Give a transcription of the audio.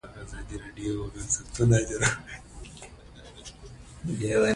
ژورې سرچینې د افغانانو د معیشت سرچینه ده.